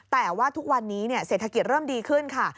แต่ว่าทุกวันนี้เศรษฐกิจเริ่มดีขึ้นค่ะ